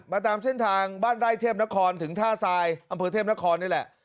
ตามเส้นทางบ้านไร่เทพนครถึงท่าทรายอำเภอเทพนครนี่แหละ